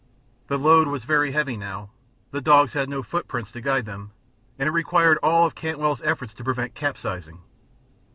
The load was very heavy now, the dogs had no footprints to guide them, and it required all of Cantwell's efforts to prevent capsizing.